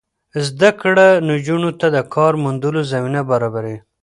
زده کړه نجونو ته د کار موندلو زمینه برابروي.